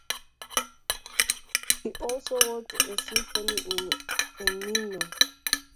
He also wrote a Symphony in E minor.